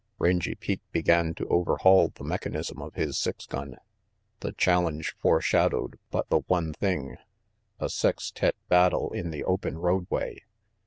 Rangy Pete began to overhaul the mechanism of his six gun. The challenge foreshadowed but the one thing a sextette battle in the open roadway.